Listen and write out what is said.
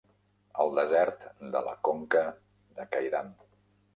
El desert de la conca de Qaidam.